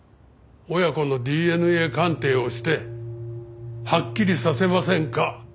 親子のＤＮＡ鑑定をしてはっきりさせませんか？